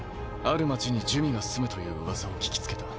ある街に珠魅が住むという噂を聞きつけた。